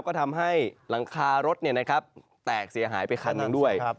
ก็ทำให้หลังคารถแตกเสียหายไปคันหนึ่งด้วย